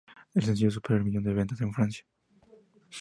El sencillo superó el millón de ventas en Francia.